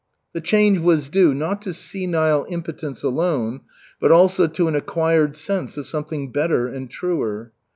The change was due, not to senile impotence alone, but also to an acquired sense of something better and truer.